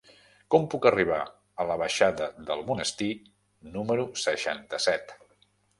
Com puc arribar a la baixada del Monestir número seixanta-set?